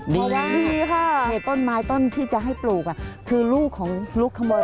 ดีค่ะเหตุต้นไม้ต้นที่จะให้ปลูกคือลูกของลูกขโมย